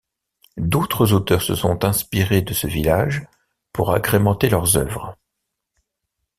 D'autres auteurs se sont inspirés de ce village pour agrémenter leurs œuvres.